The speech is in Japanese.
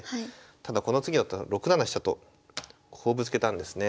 ただこの次の手６七飛車とこうぶつけたんですね。